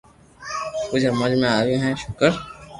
ڪجھ ھمج ۾ آويو ھي ݾڪر